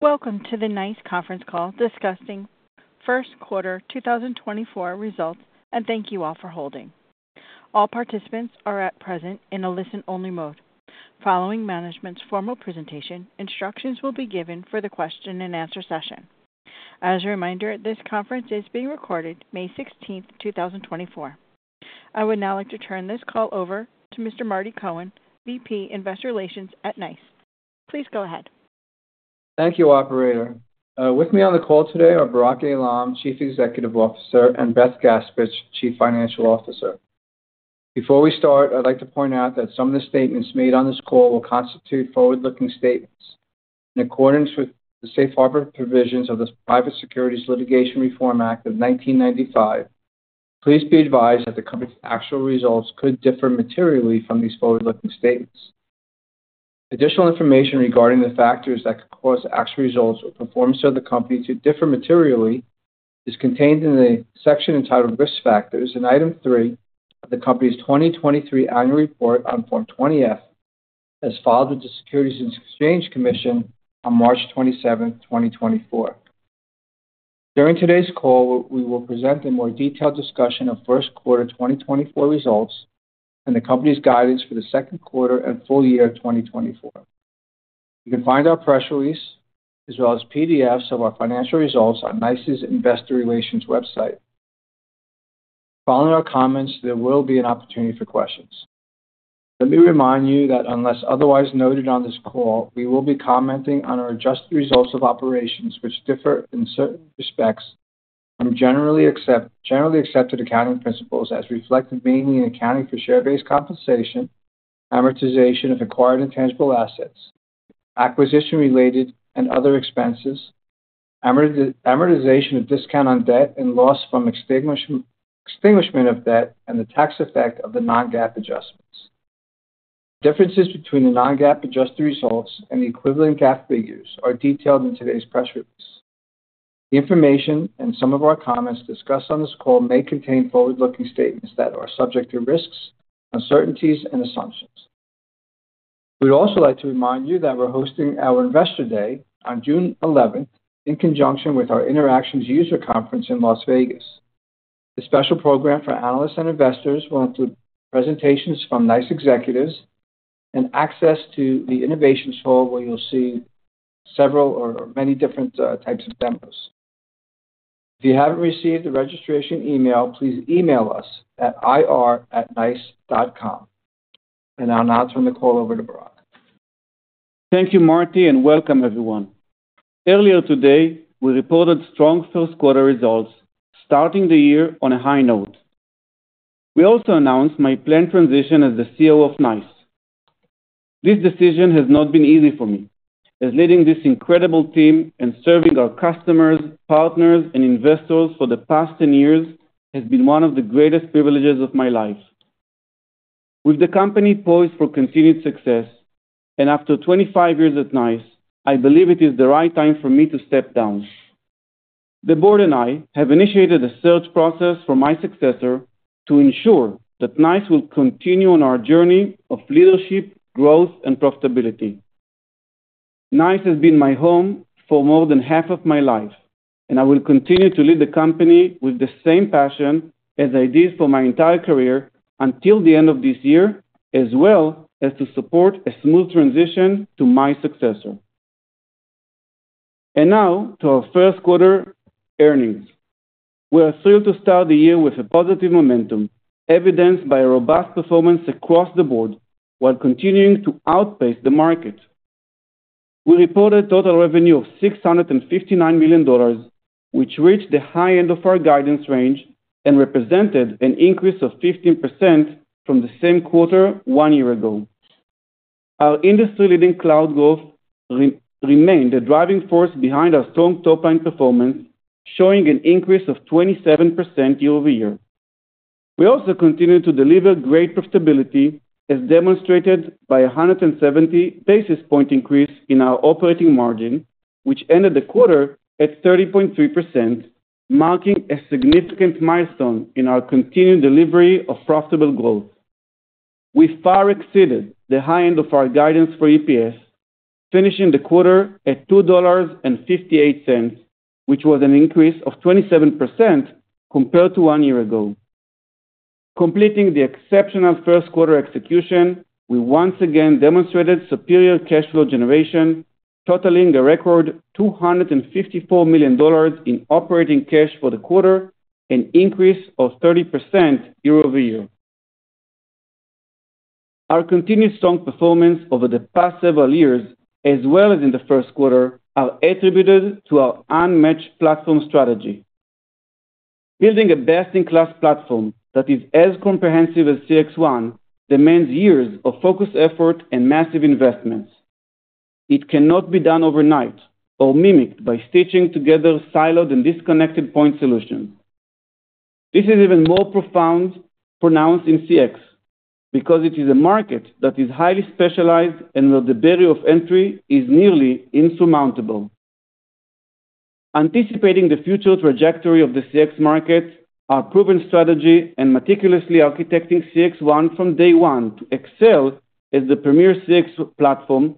Welcome to the NICE conference call discussing First Quarter 2024 results, and thank you all for holding. All participants are at present in a listen-only mode. Following management's formal presentation, instructions will be given for the question-and-answer session. As a reminder, this conference is being recorded May 16, 2024. I would now like to turn this call over to Mr. Marty Cohen, VP, Investor Relations at NICE. Please go ahead. Thank you, operator. With me on the call today are Barak Eilam, Chief Executive Officer, and Beth Gaspich, Chief Financial Officer. Before we start, I'd like to point out that some of the statements made on this call will constitute forward-looking statements. In accordance with the Safe Harbor Provisions of the Private Securities Litigation Reform Act of 1995, please be advised that the company's actual results could differ materially from these forward-looking statements. Additional information regarding the factors that could cause actual results or performance of the company to differ materially is contained in the section entitled Risk Factors in Item 3 of the company's 2023 Annual Report on Form 20-F, as filed with the Securities and Exchange Commission on March 27, 2024. During today's call, we will present a more detailed discussion of first quarter 2024 results and the company's guidance for the second quarter and full year of 2024. You can find our press release, as well as PDFs of our financial results on NICE's Investor Relations website. Following our comments, there will be an opportunity for questions. Let me remind you that unless otherwise noted on this call, we will be commenting on our adjusted results of operations, which differ in certain respects from generally accepted accounting principles, as reflected mainly in accounting for share-based compensation, amortization of acquired intangible assets, acquisition-related and other expenses, amortization of discount on debt and loss from extinguishment of debt, and the tax effect of the non-GAAP adjustments. Differences between the non-GAAP adjusted results and the equivalent GAAP figures are detailed in today's press release. The information and some of our comments discussed on this call may contain forward-looking statements that are subject to risks, uncertainties, and assumptions. We'd also like to remind you that we're hosting our Investor Day on June eleventh, in conjunction with our Interactions User Conference in Las Vegas. The special program for analysts and investors will include presentations from NICE executives and access to the innovations hall, where you'll see several or many different types of demos. If you haven't received the registration email, please email us at ir@nice.com. I'll now turn the call over to Barak. Thank you, Marty, and welcome, everyone. Earlier today, we reported strong first quarter results, starting the year on a high note. We also announced my planned transition as the CEO of NICE. This decision has not been easy for me, as leading this incredible team and serving our customers, partners, and investors for the past 10 years has been one of the greatest privileges of my life. With the company poised for continued success, and after 25 years at NICE, I believe it is the right time for me to step down. The board and I have initiated a search process for my successor to ensure that NICE will continue on our journey of leadership, growth, and profitability. NICE has been my home for more than half of my life, and I will continue to lead the company with the same passion as I did for my entire career until the end of this year, as well as to support a smooth transition to my successor. And now to our first quarter earnings. We are thrilled to start the year with a positive momentum, evidenced by a robust performance across the board while continuing to outpace the market. We reported total revenue of $659 million, which reached the high end of our guidance range and represented an increase of 15% from the same quarter one year ago. Our industry-leading cloud growth remained a driving force behind our strong top-line performance, showing an increase of 27% year-over-year. We also continued to deliver great profitability, as demonstrated by a 170 basis point increase in our operating margin, which ended the quarter at 30.3%, marking a significant milestone in our continued delivery of profitable growth. We far exceeded the high end of our guidance for EPS, finishing the quarter at $2.58, which was an increase of 27% compared to 1 year ago. Completing the exceptional first quarter execution, we once again demonstrated superior cash flow generation, totaling a record $254 million in operating cash for the quarter, an increase of 30% year-over-year. Our continued strong performance over the past several years, as well as in the first quarter, are attributed to our unmatched platform strategy. Building a best-in-class platform that is as comprehensive as CXone demands years of focused effort and massive investments. It cannot be done overnight or mimicked by stitching together siloed and disconnected point solutions. This is even more profound, pronounced in CX because it is a market that is highly specialized and where the barrier of entry is nearly insurmountable. Anticipating the future trajectory of the CX market, our proven strategy, and meticulously architecting CXone from day one to excel as the premier CX platform,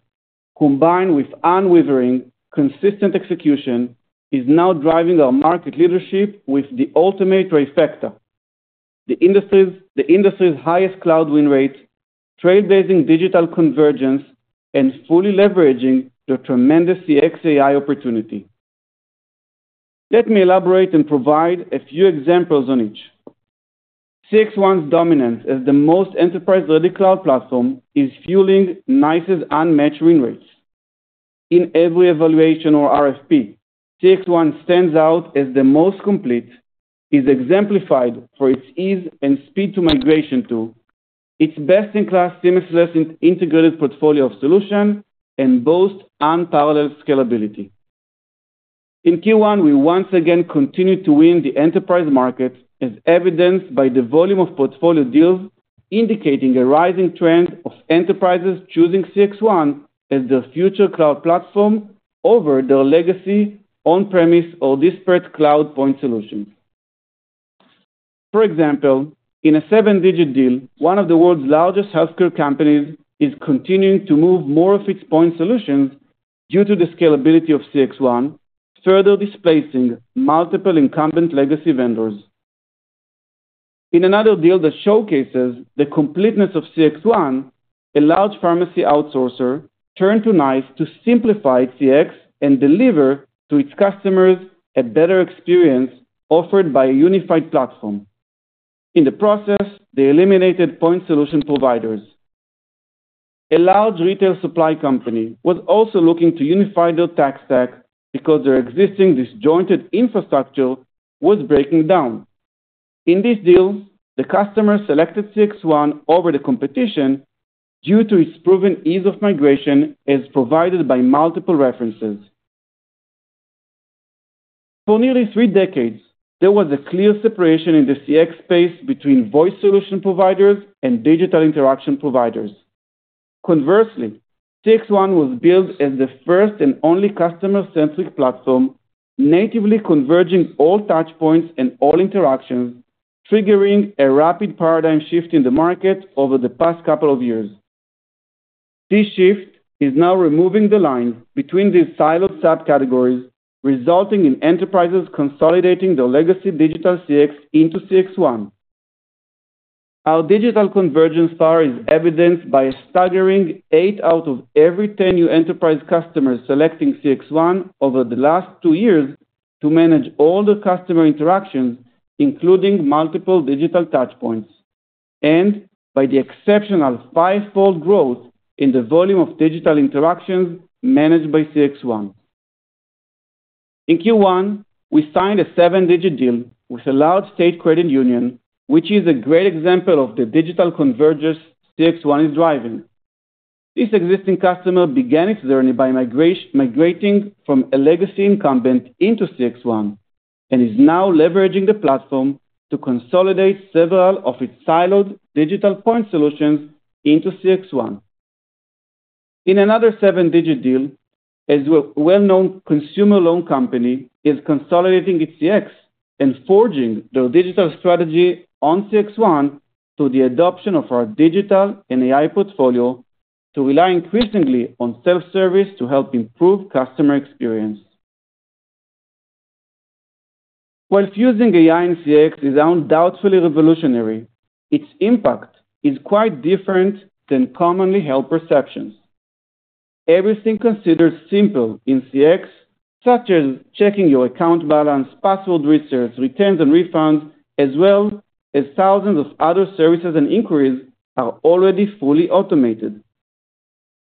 combined with unwavering, consistent execution, is now driving our market leadership with the ultimate trifecta: the industry's, the industry's highest cloud win rates, trailblazing digital convergence, and fully leveraging the tremendous CX AI opportunity. Let me elaborate and provide a few examples on each. CXone's dominance as the most enterprise-ready cloud platform is fueling NICE's unmatched win rates. In every evaluation or RFP, CXone stands out as the most complete, is exemplified for its ease and speed to migration to, its best-in-class seamless integrated portfolio of solution, and boasts unparalleled scalability. In Q1, we once again continued to win the enterprise market, as evidenced by the volume of portfolio deals, indicating a rising trend of enterprises choosing CXone as their future cloud platform over their legacy on-premise or disparate cloud point solutions. For example, in a seven-digit deal, one of the world's largest healthcare companies is continuing to move more of its point solutions due to the scalability of CXone, further displacing multiple incumbent legacy vendors. In another deal that showcases the completeness of CXone, a large pharmacy outsourcer turned to NICE to simplify CX and deliver to its customers a better experience offered by a unified platform. In the process, they eliminated point solution providers. A large retail supply company was also looking to unify their tech stack because their existing disjointed infrastructure was breaking down. In these deals, the customer selected CXone over the competition due to its proven ease of migration, as provided by multiple references. For nearly three decades, there was a clear separation in the CX space between voice solution providers and digital interaction providers. Conversely, CXone was built as the first and only customer-centric platform, natively converging all touchpoints and all interactions, triggering a rapid paradigm shift in the market over the past couple of years. This shift is now removing the line between these siloed subcategories, resulting in enterprises consolidating their legacy digital CX into CXone. Our digital convergence power is evidenced by a staggering eight out of every 10 new enterprise customers selecting CXone over the last two years to manage all their customer interactions, including multiple digital touchpoints, and by the exceptional five-fold growth in the volume of digital interactions managed by CXone. In Q1, we signed a seven-digit deal with a large state credit union, which is a great example of the digital convergence CXone is driving. This existing customer began its journey by migrating from a legacy incumbent into CXone, and is now leveraging the platform to consolidate several of its siloed digital point solutions into CXone. In another seven-digit deal, a well-known consumer loan company is consolidating its CX and forging their digital strategy on CXone through the adoption of our digital and AI portfolio to rely increasingly on self-service to help improve customer experience. While using AI in CX is undoubtedly revolutionary, its impact is quite different than commonly held perceptions. Everything considered simple in CX, such as checking your account balance, password resets, returns, and refunds, as well as thousands of other services and inquiries, are already fully automated.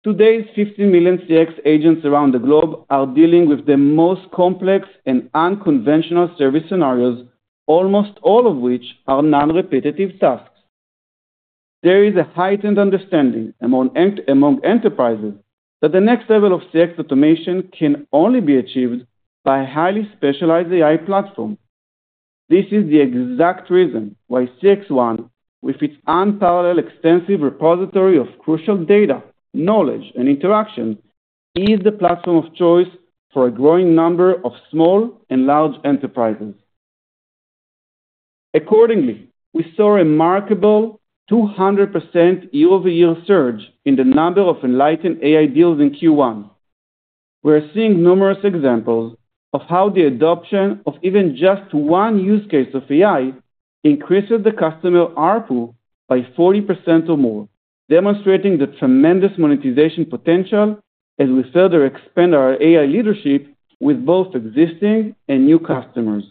Today, 50 million CX agents around the globe are dealing with the most complex and unconventional service scenarios, almost all of which are non-repetitive tasks. There is a heightened understanding among enterprises that the next level of CX automation can only be achieved by a highly specialized AI platform. This is the exact reason why CXone, with its unparalleled, extensive repository of crucial data, knowledge, and interaction, is the platform of choice for a growing number of small and large enterprises. Accordingly, we saw a remarkable 200% year-over-year surge in the number of Enlighten AI deals in Q1. We're seeing numerous examples of how the adoption of even just one use case of AI increases the customer ARPU by 40% or more, demonstrating the tremendous monetization potential as we further expand our AI leadership with both existing and new customers.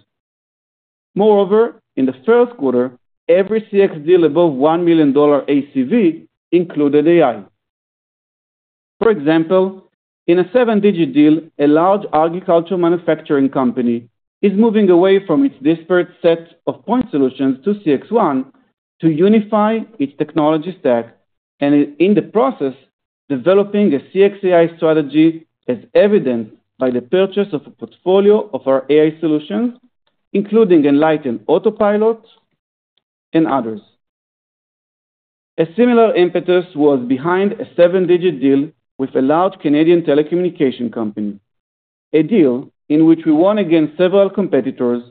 Moreover, in the first quarter, every CX deal above $1 million ACV included AI. For example, in a seven-digit deal, a large agricultural manufacturing company is moving away from its disparate set of point solutions to CXone to unify its technology stack, and in the process, developing a CX AI strategy, as evidenced by the purchase of a portfolio of our AI solutions, including Enlighten Autopilot and others. A similar impetus was behind a seven-digit deal with a large Canadian telecommunication company. A deal in which we won against several competitors,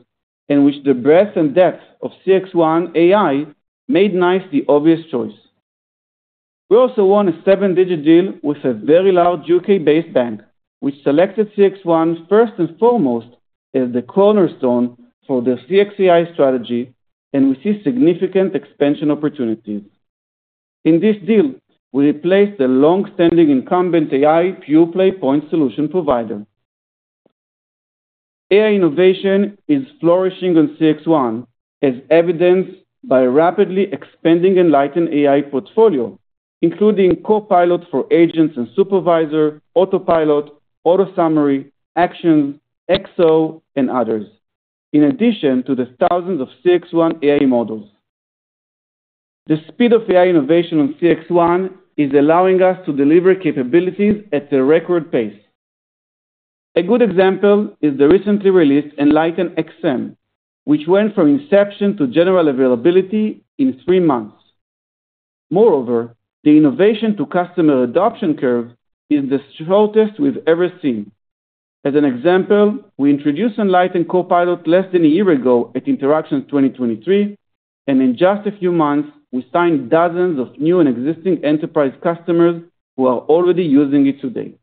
in which the breadth and depth of CXone AI made NICE the obvious choice. We also won a seven-digit deal with a very large U.K.-based bank, which selected CXone first and foremost as the cornerstone for their CX AI strategy, and we see significant expansion opportunities. In this deal, we replaced the long-standing incumbent AI pure-play point solution provider. AI innovation is flourishing on CXone, as evidenced by a rapidly expanding Enlighten AI portfolio, including Copilot for agents and supervisor, Autopilot, AutoSummary, Actions, XO, and others, in addition to the thousands of CXone AI models. The speed of AI innovation on CXone is allowing us to deliver capabilities at a record pace. A good example is the recently released Enlighten XM, which went from inception to general availability in three months. Moreover, the innovation to customer adoption curve is the shortest we've ever seen. As an example, we introduced Enlighten Copilot less than a year ago at Interactions 2023, and in just a few months, we signed dozens of new and existing enterprise customers who are already using it today.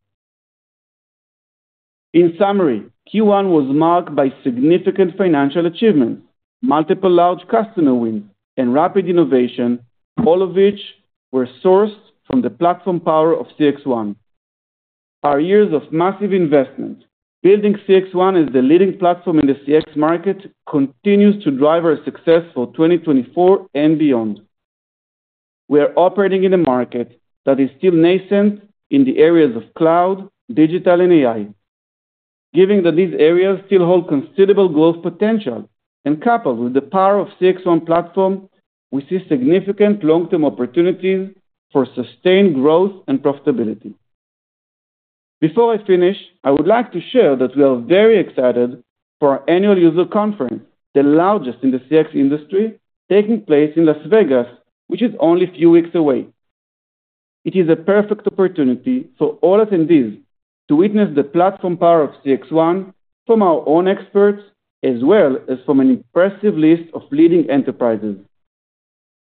In summary, Q1 was marked by significant financial achievements, multiple large customer wins, and rapid innovation, all of which were sourced from the platform power of CXone. Our years of massive investment, building CXone as the leading platform in the CX market, continues to drive our success for 2024 and beyond. We are operating in a market that is still nascent in the areas of cloud, digital, and AI. Given that these areas still hold considerable growth potential, and coupled with the power of CXone platform, we see significant long-term opportunities for sustained growth and profitability. Before I finish, I would like to share that we are very excited for our annual user conference, the largest in the CX industry, taking place in Las Vegas, which is only a few weeks away. It is a perfect opportunity for all attendees to witness the platform power of CXone from our own experts, as well as from an impressive list of leading enterprises.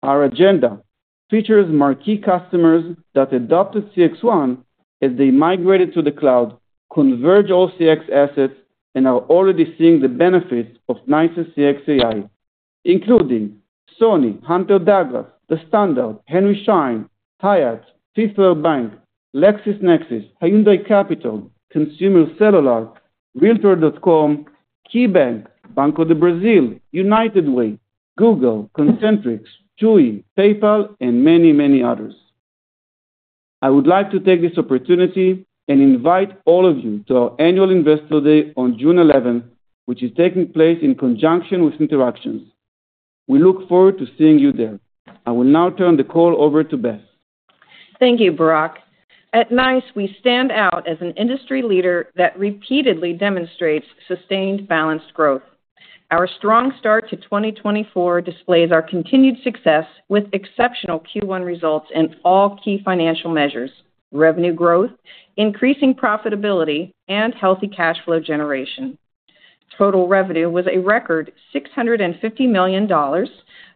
Our agenda features marquee customers that adopted CXone as they migrated to the cloud, converge all CX assets, and are already seeing the benefits of NICE CX AI, including Sony, Hunter Douglas, The Standard, Henry Schein, Hyatt, Fifth Third Bank, LexisNexis, Hyundai Capital, Consumer Cellular, Realtor.com, KeyBank, Banco do Brasil, United Way, Google, Concentrix, Chewy, PayPal, and many, many others. I would like to take this opportunity and invite all of you to our annual Investor Day on June 11th, which is taking place in conjunction with Interactions. We look forward to seeing you there. I will now turn the call over to Beth. Thank you, Barak. At NICE, we stand out as an industry leader that repeatedly demonstrates sustained, balanced growth. Our strong start to 2024 displays our continued success with exceptional Q1 results in all key financial measures: revenue growth, increasing profitability, and healthy cash flow generation. Total revenue was a record $650 million,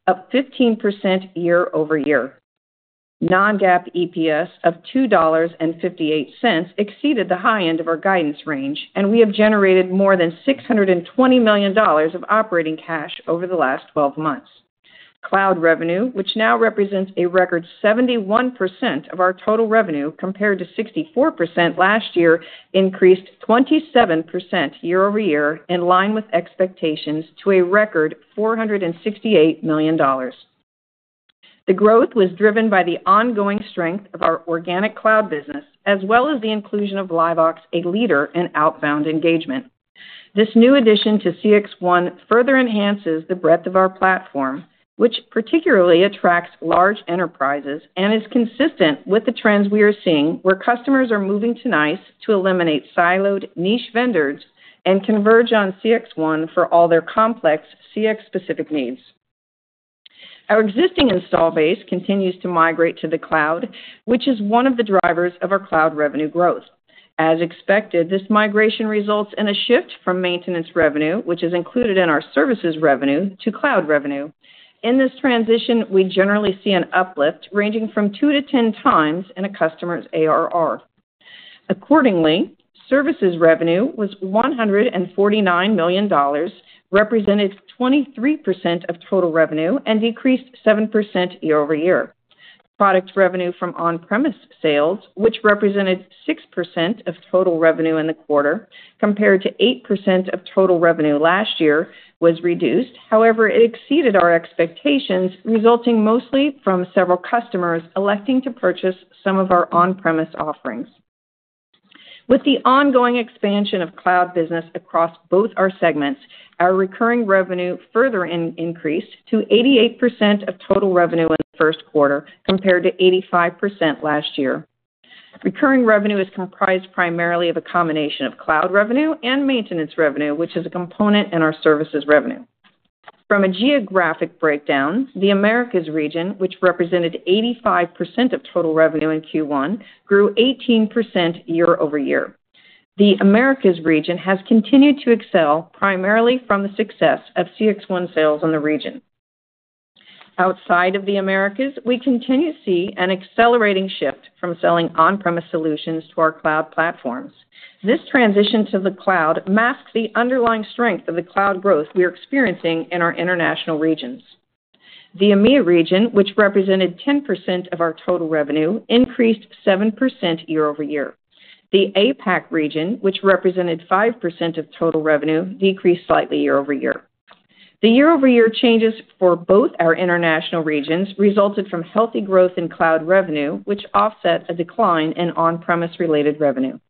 up 15% year-over-year. Non-GAAP EPS of $2.58 exceeded the high end of our guidance range, and we have generated more than $620 million of operating cash over the last 12 months. Cloud revenue, which now represents a record 71% of our total revenue, compared to 64% last year, increased 27% year-over-year, in line with expectations, to a record $468 million. The growth was driven by the ongoing strength of our organic cloud business, as well as the inclusion of LiveVox, a leader in outbound engagement. This new addition to CXone further enhances the breadth of our platform, which particularly attracts large enterprises and is consistent with the trends we are seeing, where customers are moving to NICE to eliminate siloed niche vendors and converge on CXone for all their complex CX-specific needs. Our existing install base continues to migrate to the cloud, which is one of the drivers of our cloud revenue growth. As expected, this migration results in a shift from maintenance revenue, which is included in our services revenue, to cloud revenue. In this transition, we generally see an uplift ranging from 2-10x in a customer's ARR. Accordingly, services revenue was $149 million, represented 23% of total revenue and decreased 7% year-over-year. Product revenue from on-premise sales, which represented 6% of total revenue in the quarter, compared to 8% of total revenue last year, was reduced. However, it exceeded our expectations, resulting mostly from several customers electing to purchase some of our on-premise offerings. With the ongoing expansion of cloud business across both our segments, our recurring revenue further increased to 88% of total revenue in the first quarter, compared to 85% last year. Recurring revenue is comprised primarily of a combination of cloud revenue and maintenance revenue, which is a component in our services revenue. From a geographic breakdown, the Americas region, which represented 85% of total revenue in Q1, grew 18% year-over-year. The Americas region has continued to excel primarily from the success of CXone sales in the region. Outside of the Americas, we continue to see an accelerating shift from selling on-premise solutions to our cloud platforms. This transition to the cloud masks the underlying strength of the cloud growth we are experiencing in our international regions. The EMEA region, which represented 10% of our total revenue, increased 7% year-over-year. The APAC region, which represented 5% of total revenue, decreased slightly year-over-year. The year-over-year changes for both our international regions resulted from healthy growth in cloud revenue, which offset a decline in on-premise related revenue.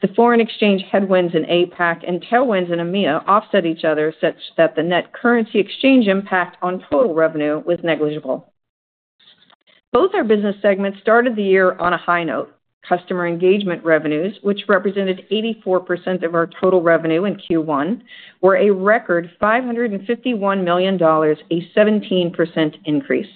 The foreign exchange headwinds in APAC and tailwinds in EMEA offset each other, such that the net currency exchange impact on total revenue was negligible. Both our business segments started the year on a high note. Customer engagement revenues, which represented 84% of our total revenue in Q1, were a record $551 million, a 17% increase.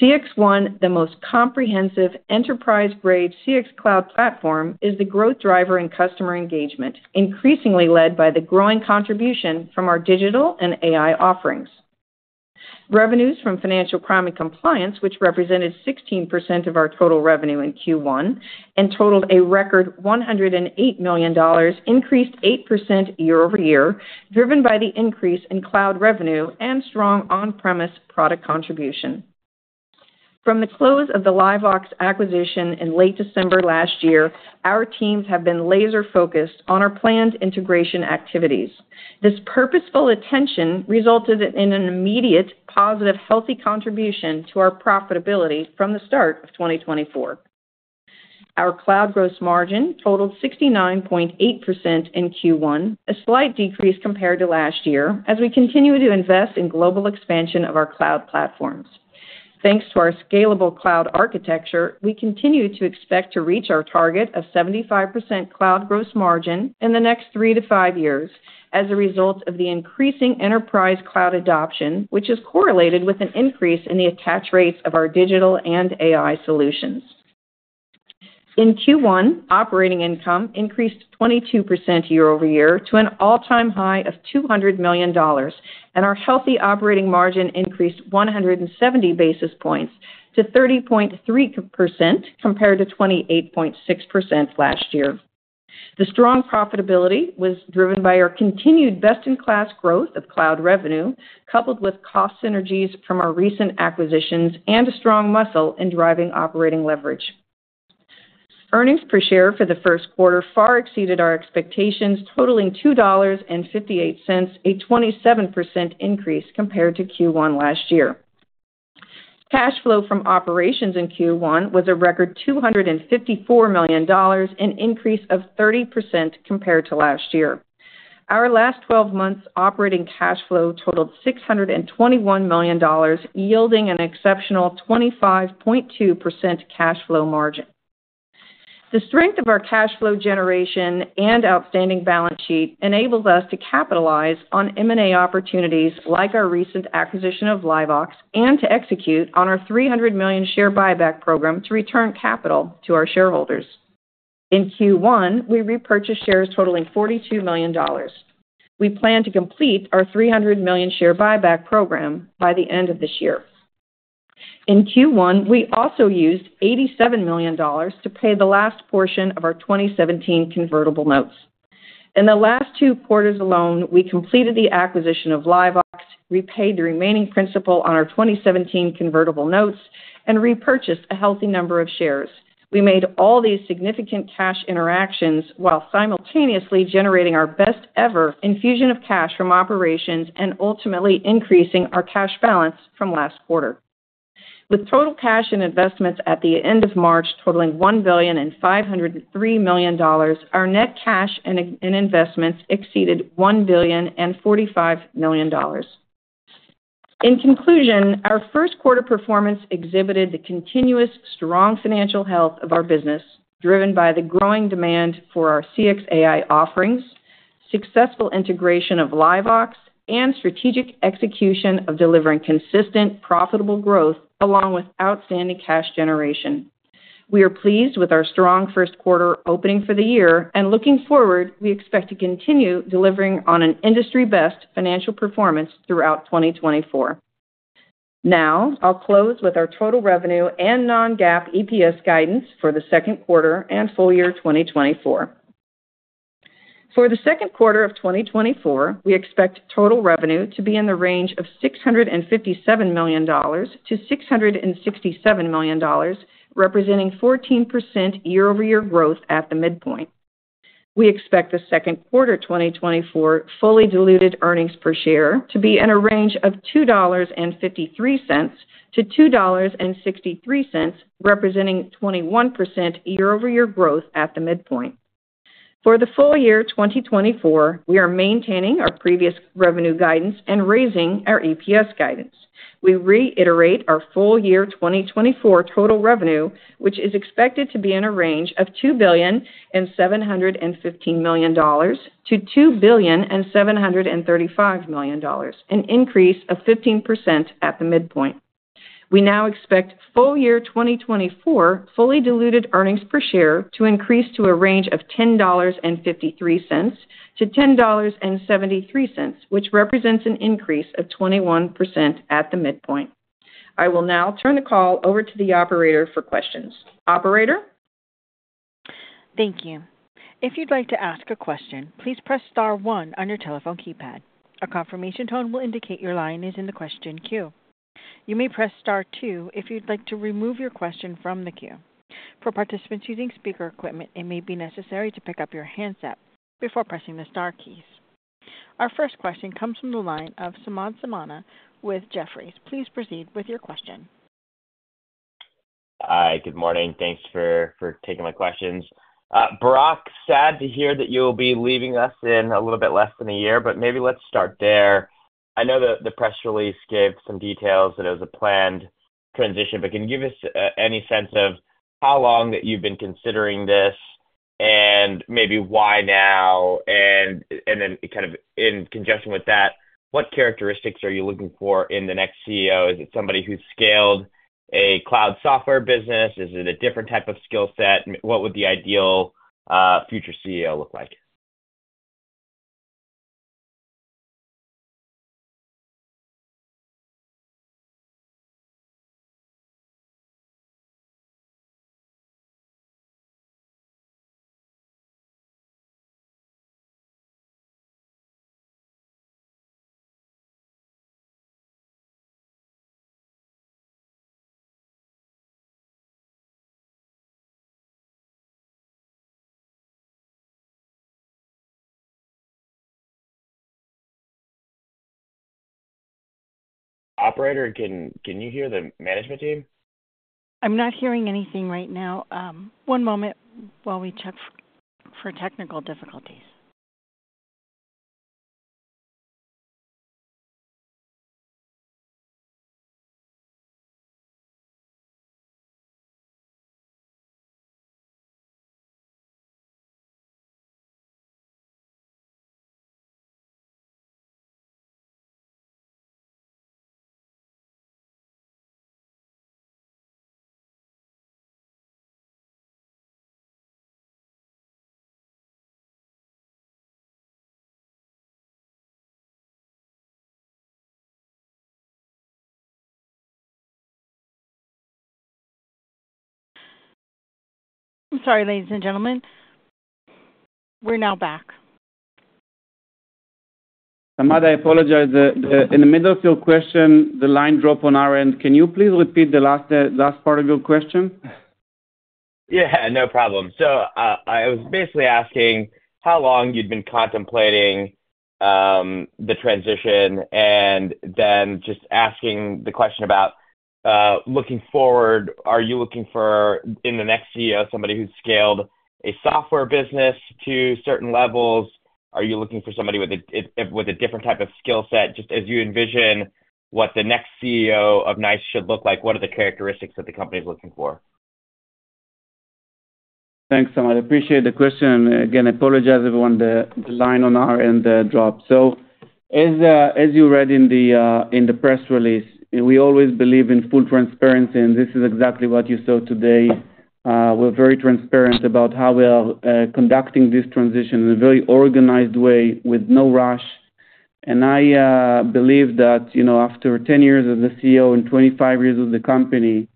CXone, the most comprehensive enterprise-grade CX Cloud platform, is the growth driver in customer engagement, increasingly led by the growing contribution from our digital and AI offerings. Revenues from financial crime and compliance, which represented 16% of our total revenue in Q1 and totaled a record $108 million, increased 8% year-over-year, driven by the increase in cloud revenue and strong on-premise product contribution. From the close of the LiveVox acquisition in late December last year, our teams have been laser-focused on our planned integration activities. This purposeful attention resulted in an immediate, positive, healthy contribution to our profitability from the start of 2024. Our cloud gross margin totaled 69.8% in Q1, a slight decrease compared to last year, as we continue to invest in global expansion of our cloud platforms. Thanks to our scalable cloud architecture, we continue to expect to reach our target of 75% cloud gross margin in the next 3-5 years as a result of the increasing enterprise cloud adoption, which is correlated with an increase in the attach rates of our digital and AI solutions. In Q1, operating income increased 22% year-over-year to an all-time high of $200 million, and our healthy operating margin increased 170 basis points to 30.3%, compared to 28.6% last year. The strong profitability was driven by our continued best-in-class growth of cloud revenue, coupled with cost synergies from our recent acquisitions and a strong muscle in driving operating leverage. Earnings per share for the first quarter far exceeded our expectations, totaling $2.58, a 27% increase compared to Q1 last year. Cash flow from operations in Q1 was a record $254 million, an increase of 30% compared to last year. Our last 12 months operating cash flow totaled $621 million, yielding an exceptional 25.2% cash flow margin. The strength of our cash flow generation and outstanding balance sheet enables us to capitalize on M&A opportunities, like our recent acquisition of LiveVox, and to execute on our $300 million share buyback program to return capital to our shareholders. In Q1, we repurchased shares totaling $42 million. We plan to complete our $300 million share buyback program by the end of this year. In Q1, we also used $87 million to pay the last portion of our 2017 convertible notes. In the last two quarters alone, we completed the acquisition of LiveVox, repaid the remaining principal on our 2017 convertible notes, and repurchased a healthy number of shares. We made all these significant cash interactions while simultaneously generating our best ever infusion of cash from operations and ultimately increasing our cash balance from last quarter. With total cash and investments at the end of March totaling $1.503 billion, our net cash and investments exceeded $1.045 billion. In conclusion, our first quarter performance exhibited the continuous strong financial health of our business, driven by the growing demand for our CX AI offerings, successful integration of LiveVox, and strategic execution of delivering consistent, profitable growth, along with outstanding cash generation. We are pleased with our strong first-quarter opening for the year, and looking forward, we expect to continue delivering on an industry-best financial performance throughout 2024. Now, I'll close with our total revenue and non-GAAP EPS guidance for the second quarter and full year 2024. For the second quarter of 2024, we expect total revenue to be in the range of $657 million-$667 million, representing 14% year-over-year growth at the midpoint. We expect the second quarter 2024 fully diluted earnings per share to be in a range of $2.53-$2.63, representing 21% year-over-year growth at the midpoint. For the full year 2024, we are maintaining our previous revenue guidance and raising our EPS guidance. We reiterate our full year 2024 total revenue, which is expected to be in a range of $2.715 billion-$2.735 billion, an increase of 15% at the midpoint. We now expect full year 2024 fully diluted earnings per share to increase to a range of $10.53-$10.73, which represents an increase of 21% at the midpoint. I will now turn the call over to the operator for questions. Operator? Thank you. If you'd like to ask a question, please press star one on your telephone keypad. A confirmation tone will indicate your line is in the question queue. You may press star two if you'd like to remove your question from the queue. For participants using speaker equipment, it may be necessary to pick up your handset before pressing the star keys. Our first question comes from the line of Samad Samana with Jefferies. Please proceed with your question. Hi, good morning. Thanks for taking my questions. Barak, sad to hear that you'll be leaving us in a little bit less than a year, but maybe let's start there. I know that the press release gave some details, that it was a planned transition, but can you give us any sense of how long that you've been considering this, and maybe why now? And then kind of in conjunction with that, what characteristics are you looking for in the next CEO? Is it somebody who's scaled a cloud software business? Is it a different type of skill set? What would the ideal future CEO look like? Operator, can you hear the management team? I'm not hearing anything right now. One moment while we check for technical difficulties. I'm sorry, ladies and gentlemen. We're now back. Samad, I apologize, in the middle of your question, the line dropped on our end. Can you please repeat the last part of your question? Yeah, no problem. So, I was basically asking how long you'd been contemplating the transition, and then just asking the question about looking forward, are you looking for, in the next CEO, somebody who's scaled a software business to certain levels? Are you looking for somebody with a different type of skill set? Just as you envision what the next CEO of NICE should look like, what are the characteristics that the company is looking for? Thanks, Samad. I appreciate the question. Again, I apologize everyone, the line on our end dropped. So as you read in the press release, we always believe in full transparency, and this is exactly what you saw today. We're very transparent about how we are conducting this transition in a very organized way with no rush. And I believe that, you know, after 10 years as the CEO and 25 years with the company,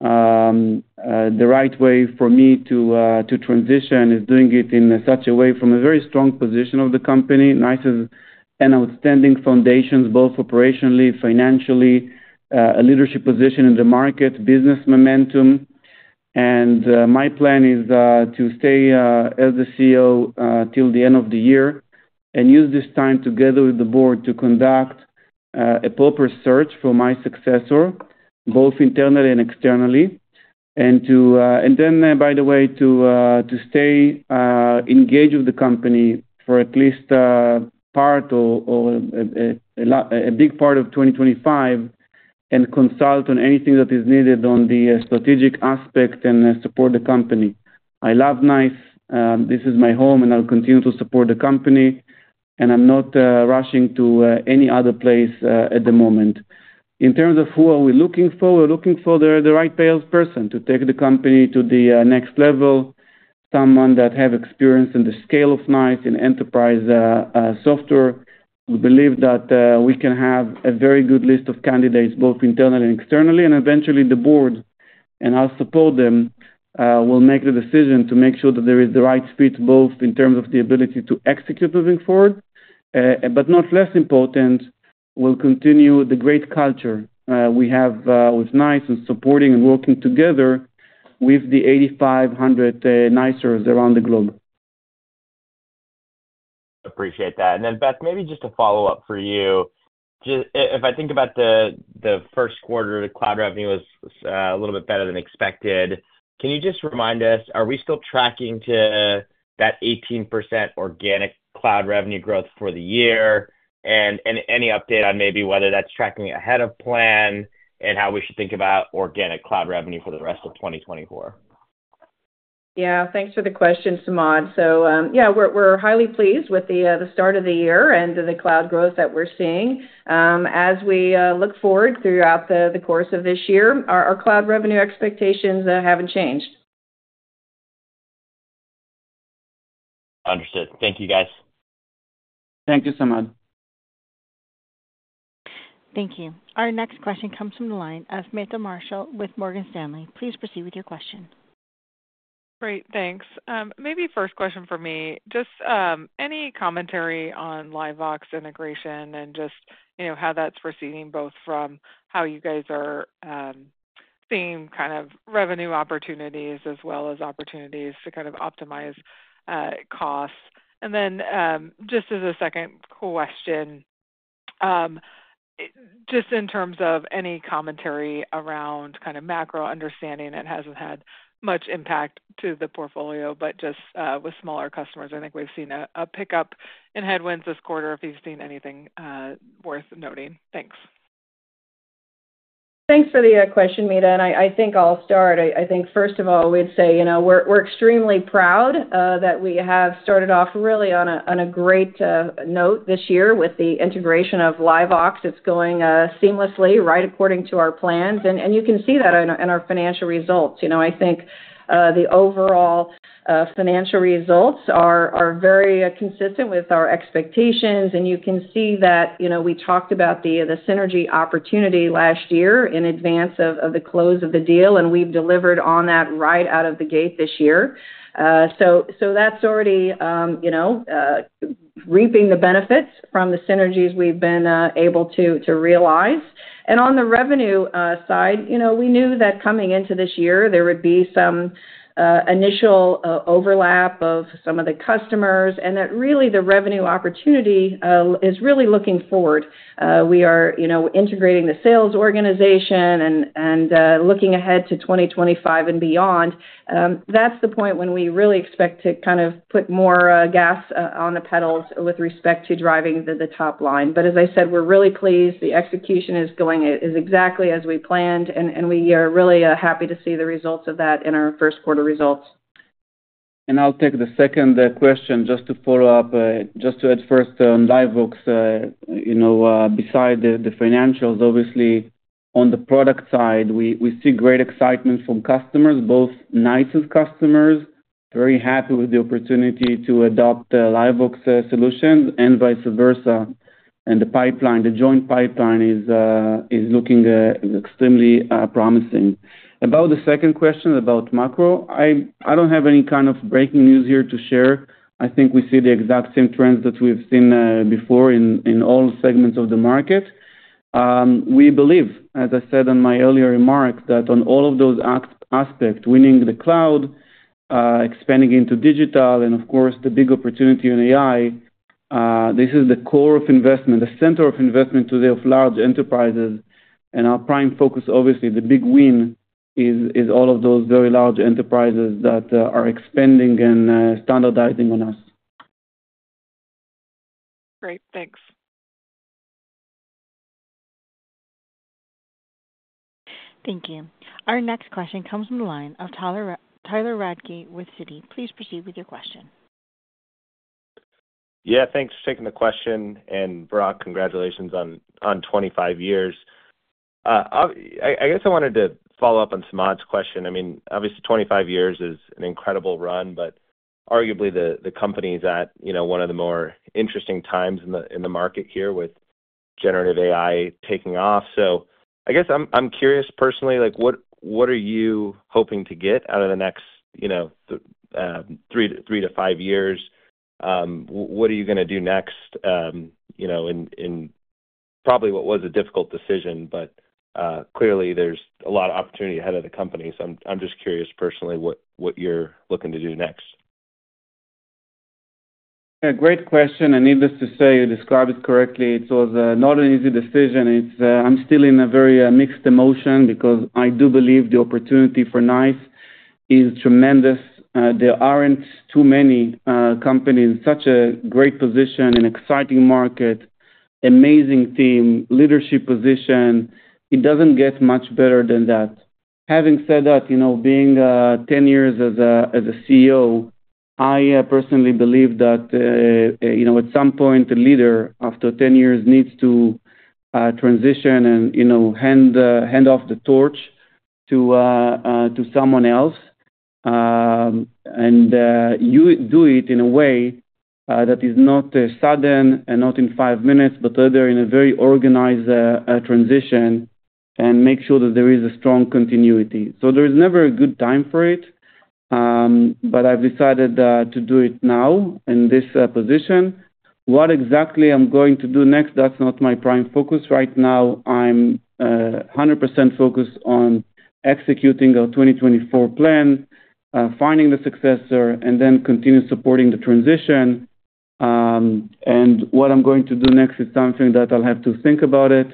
the right way for me to transition is doing it in such a way from a very strong position of the company. NICE is an outstanding foundation, both operationally, financially, a leadership position in the market, business momentum. My plan is to stay as the CEO till the end of the year and use this time together with the board to conduct a proper search for my successor, both internally and externally. And then, by the way, to stay engaged with the company for at least part or a big part of 2025, and consult on anything that is needed on the strategic aspect and support the company. I love NICE, this is my home, and I'll continue to support the company, and I'm not rushing to any other place at the moment. In terms of who are we looking for, we're looking for the right salesperson to take the company to the next level, someone that have experience in the scale of NICE in enterprise software. We believe that we can have a very good list of candidates, both internally and externally, and eventually the board, and I'll support them, will make the decision to make sure that there is the right fit, both in terms of the ability to execute moving forward, but not less important, will continue the great culture we have with NICE and supporting and working together with the 8,500 NICErs around the globe. Appreciate that. And then, Beth, maybe just a follow-up for you. Just, if I think about the, the first quarter, the cloud revenue was, a little bit better than expected. Can you just remind us, are we still tracking to that 18% organic cloud revenue growth for the year? And, and any update on maybe whether that's tracking ahead of plan and how we should think about organic cloud revenue for the rest of 2024? Yeah, thanks for the question, Samad. So, yeah, we're highly pleased with the start of the year and the cloud growth that we're seeing. As we look forward throughout the course of this year, our cloud revenue expectations haven't changed. Understood. Thank you, guys. Thank you, Samad. Thank you. Our next question comes from the line of Meta Marshall with Morgan Stanley. Please proceed with your question. Great, thanks. Maybe first question for me, just, any commentary on LiveVox integration and just, you know, how that's proceeding, both from how you guys are, seeing kind of revenue opportunities as well as opportunities to kind of optimize, costs. And then, just as a second question, just in terms of any commentary around kind of macro understanding, it hasn't had much impact to the portfolio, but just, with smaller customers, I think we've seen a pickup in headwinds this quarter, if you've seen anything, worth noting. Thanks. Thanks for the question, Meta, and I think I'll start. I think first of all, we'd say, you know, we're extremely proud that we have started off really on a great note this year with the integration of LiveVox. It's going seamlessly, right according to our plans, and you can see that in our financial results. You know, I think the overall financial results are very consistent with our expectations, and you can see that, you know, we talked about the synergy opportunity last year in advance of the close of the deal, and we've delivered on that right out of the gate this year. So that's already, you know, reaping the benefits from the synergies we've been able to realize. On the revenue side, you know, we knew that coming into this year, there would be some initial overlap of some of the customers, and that really the revenue opportunity is really looking forward. We are, you know, integrating the sales organization and looking ahead to 2025 and beyond. That's the point when we really expect to kind of put more gas on the pedals with respect to driving the top line. But as I said, we're really pleased. The execution is going exactly as we planned, and we are really happy to see the results of that in our first quarter results. I'll take the second question just to follow up. Just to add first on LiveVox, you know, beside the financials, obviously on the product side, we see great excitement from customers, both NICE customers, very happy with the opportunity to adopt the LiveVox solutions and vice versa. And the pipeline, the joint pipeline is looking extremely promising. About the second question about macro, I don't have any kind of breaking news here to share. I think we see the exact same trends that we've seen before in all segments of the market. We believe, as I said in my earlier remark, that on all of those aspects, winning the cloud, expanding into digital, and of course, the big opportunity in AI, this is the core of investment, the center of investment today of large enterprises. And our prime focus, obviously, the big win, is all of those very large enterprises that are expanding and standardizing on us. Great. Thanks. Thank you. Our next question comes from the line of Tyler Radke with Citi. Please proceed with your question. Yeah, thanks for taking the question, and Barak, congratulations on 25 years. I guess I wanted to follow up on Samad's question. I mean, obviously, 25 years is an incredible run, but arguably, the company's at, you know, one of the more interesting times in the market here with generative AI taking off. So I guess I'm curious personally, like, what are you hoping to get out of the next, you know, three to five years? What are you gonna do next, you know, in probably what was a difficult decision, but clearly there's a lot of opportunity ahead of the company. So I'm just curious, personally, what you're looking to do next. A great question, and needless to say, you described it correctly. It was not an easy decision. It's, I'm still in a very mixed emotion because I do believe the opportunity for NICE is tremendous. There aren't too many companies such a great position and exciting market, amazing team, leadership position. It doesn't get much better than that. Having said that, you know, being 10 years as a CEO, I personally believe that, you know, at some point, the leader, after 10 years, needs to transition and, you know, hand off the torch to someone else. You do it in a way that is not sudden and not in 5 minutes, but rather in a very organized transition, and make sure that there is a strong continuity. So there is never a good time for it, but I've decided to do it now in this position. What exactly I'm going to do next, that's not my prime focus right now. I'm 100% focused on executing our 2024 plan, finding the successor, and then continue supporting the transition. And what I'm going to do next is something that I'll have to think about it.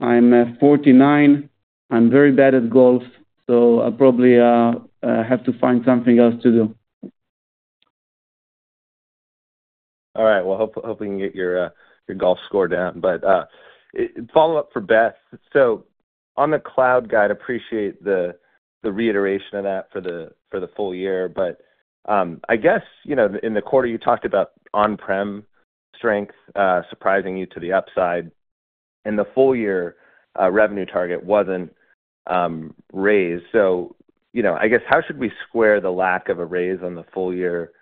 I'm 49. I'm very bad at golf, so I'll probably have to find something else to do. All right. Well, hoping you get your golf score down. But follow-up for Beth. So on the cloud guide, appreciate the reiteration of that for the full year. But I guess, you know, in the quarter, you talked about on-prem strength surprising you to the upside, and the full year revenue target wasn't raised. So you know, I guess, how should we square the lack of a raise on the full year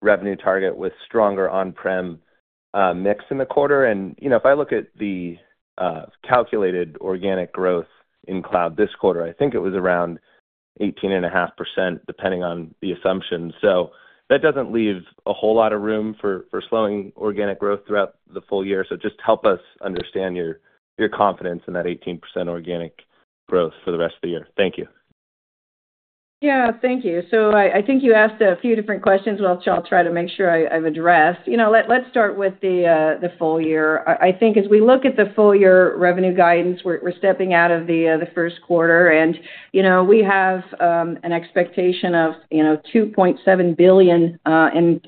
revenue target with stronger on-prem mix in the quarter? And you know, if I look at the calculated organic growth in cloud this quarter, I think it was around 18.5%, depending on the assumption. So that doesn't leave a whole lot of room for slowing organic growth throughout the full year. Just help us understand your confidence in that 18% organic growth for the rest of the year? Thank you. Yeah, thank you. So I think you asked a few different questions, which I'll try to make sure I've addressed. You know, let's start with the full year. I think as we look at the full year revenue guidance, we're stepping out of the first quarter and, you know, we have an expectation of, you know, $2.7 billion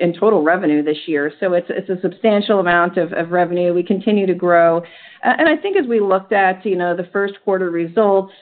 in total revenue this year. So it's a substantial amount of revenue. We continue to grow. And I think as we looked at, you know, the first quarter results,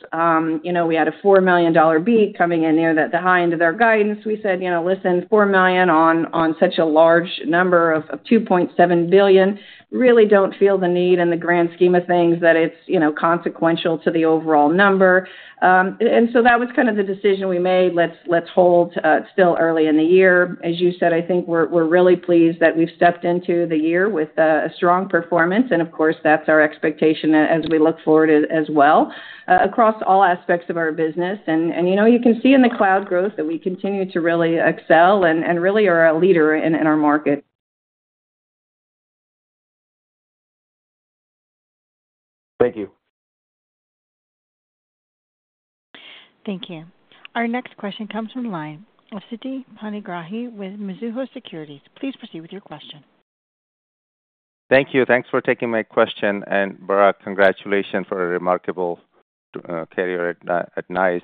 you know, we had a $4 million beat coming in near the high end of their guidance. We said, you know, "Listen, four million on such a large number of 2.7 billion, really don't feel the need in the grand scheme of things that it's, you know, consequential to the overall number." And so that was kind of the decision we made. Let's hold, still early in the year. As you said, I think we're really pleased that we've stepped into the year with a strong performance, and of course, that's our expectation as we look forward as well, across all aspects of our business. And you can see in the cloud growth that we continue to really excel and really are a leader in our market. Thank you. Thank you. Our next question comes from the line of Siti Panigrahi with Mizuho Securities. Please proceed with your question. Thank you. Thanks for taking my question, and Barak, congratulations for a remarkable career at NICE.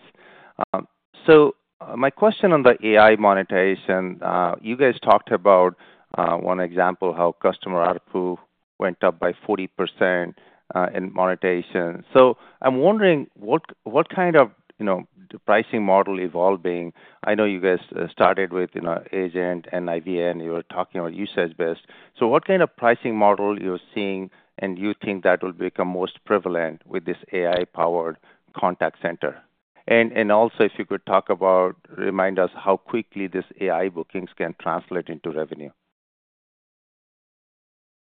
So my question on the AI monetization, you guys talked about one example, how customer ARPU went up by 40% in monetization. So I'm wondering what kind of pricing model evolving? I know you guys started with agent and IVR, you were talking about usage-based. So what kind of pricing model you're seeing, and you think that will become most prevalent with this AI-powered contact center? And also, if you could talk about, remind us how quickly this AI bookings can translate into revenue.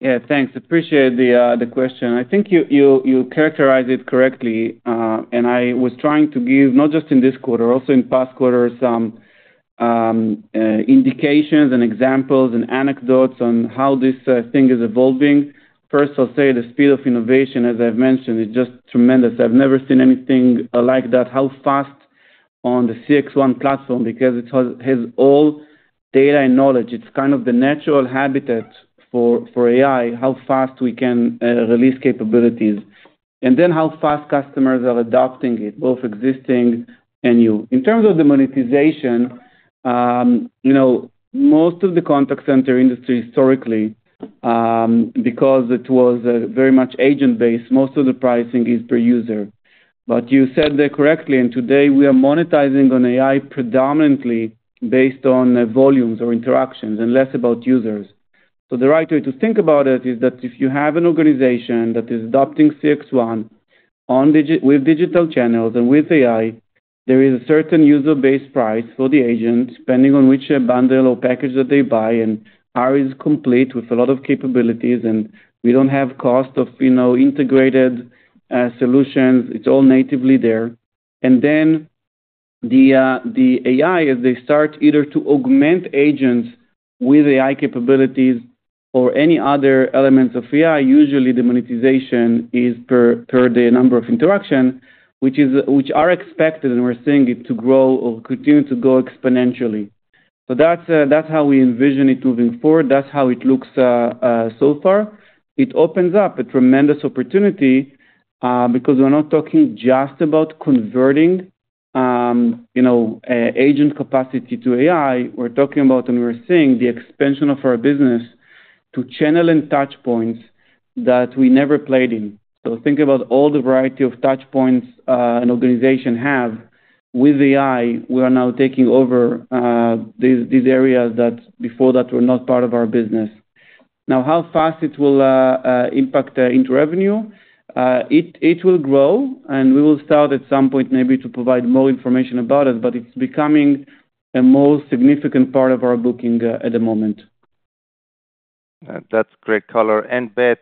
Yeah, thanks. Appreciate the question. I think you characterized it correctly, and I was trying to give, not just in this quarter, also in past quarters, some indications and examples and anecdotes on how this thing is evolving. First, I'll say the speed of innovation, as I've mentioned, is just tremendous. I've never seen anything like that, how fast on the CXone platform, because it has all data and knowledge. It's kind of the natural habitat for AI, how fast we can release capabilities, and then how fast customers are adopting it, both existing and new. In terms of the monetization, you know, most of the contact center industry historically, because it was very much agent-based, most of the pricing is per user. But you said that correctly, and today we are monetizing on AI predominantly based on volumes or interactions and less about users. So the right way to think about it is that if you have an organization that is adopting CXone with digital channels and with AI, there is a certain user base price for the agent, depending on which bundle or package that they buy, and ours is complete with a lot of capabilities, and we don't have cost of, you know, integrated solutions. It's all natively there. And then the AI, as they start either to augment agents with AI capabilities or any other elements of AI, usually the monetization is per the number of interaction, which are expected, and we're seeing it to grow or continue to grow exponentially. So that's how we envision it moving forward. That's how it looks, so far. It opens up a tremendous opportunity, because we're not talking just about converting, you know, agent capacity to AI. We're talking about, and we're seeing the expansion of our business to channel and touchpoints that we never played in. So think about all the variety of touchpoints, an organization have. With AI, we are now taking over these areas that before that were not part of our business. Now, how fast it will impact into revenue? It will grow, and we will start at some point, maybe to provide more information about it, but it's becoming a more significant part of our booking at the moment. That's great color. And Beth,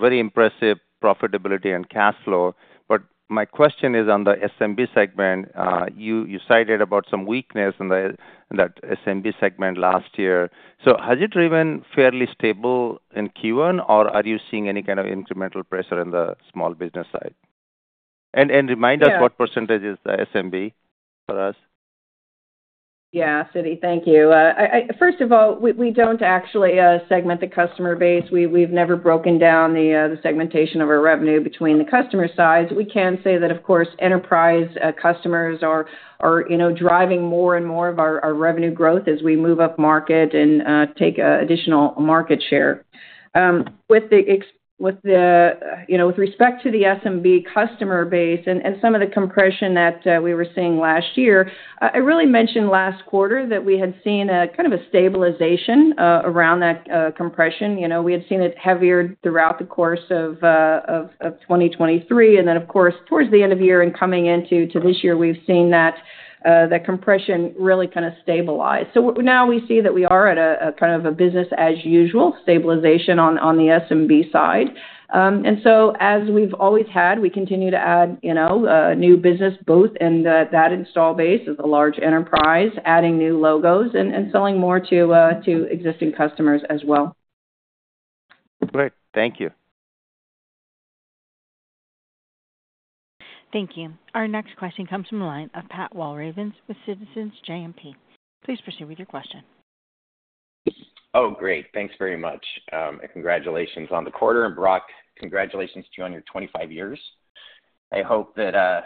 very impressive profitability and cash flow. But my question is on the SMB segment. You cited about some weakness in that SMB segment last year. So has it driven fairly stable in Q1, or are you seeing any kind of incremental pressure in the small business side? And remind us- Yeah. What percentage is the SMB for us? Yeah, Siti, thank you. I first of all, we don't actually segment the customer base. We've never broken down the segmentation of our revenue between the customer sides. We can say that, of course, enterprise customers are you know driving more and more of our revenue growth as we move up market and take additional market share. With the you know with respect to the SMB customer base and some of the compression that we were seeing last year, I really mentioned last quarter that we had seen a kind of a stabilization around that compression. You know, we had seen it heavier throughout the course of 2023, and then of course, towards the end of the year and coming into this year, we've seen that the compression really kind of stabilize. So now we see that we are at a kind of a business as usual stabilization on the SMB side. And so as we've always had, we continue to add, you know, new business both in that install base as a large enterprise, adding new logos and selling more to existing customers as well. Great. Thank you. Thank you. Our next question comes from the line of Pat Walravens with Citizens JMP. Please proceed with your question. Oh, great. Thanks very much, and congratulations on the quarter. And Barak, congratulations to you on your 25 years. I hope that,